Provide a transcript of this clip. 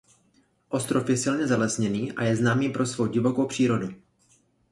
Ostrov je silně zalesněný a je známý pro svou divokou přírodu.